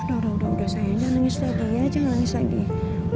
udah udah udah sayang jangan nangis lagi ya